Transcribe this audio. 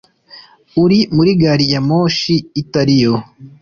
Uri muri gari ya moshi itari yo